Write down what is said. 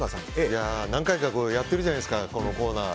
何回かやってるじゃないですかこのコーナー。